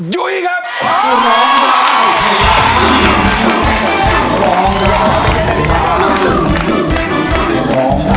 ยุ้ยครับ